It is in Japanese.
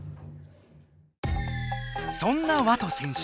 そんなＷＡＴＯ選手